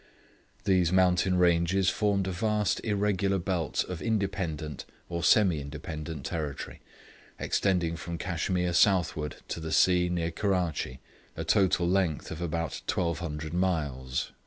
These mountain ranges formed a vast irregular belt of independent or semi independent territory, extending from Cashmere southward to the sea near Kurrachee, a total length of about 1,200 miles.'